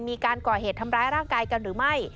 มีการก่อเหตุทำร้ายร่างกายกันหรือไม่